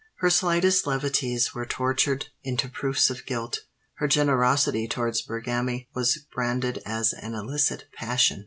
Her slightest levities were tortured into proofs of guilt: her generosity towards Bergami was branded as an illicit passion.